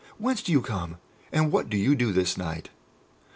"Whence do you come, and what do you do this night?"